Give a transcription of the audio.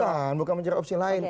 bukan bukan mencari opsi lain